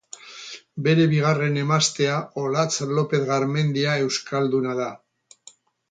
Bere bigarren emaztea Olatz Lopez Garmendia euskalduna da.